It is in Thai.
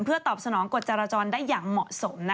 เพื่อตอบสนองกฎจราจรได้อย่างเหมาะสม